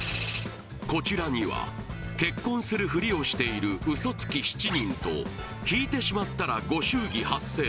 こちらには結婚するふりをしているウソつき７人と引いてしまったらご祝儀発生